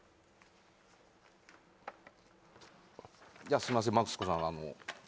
じゃあすいませんマツコさん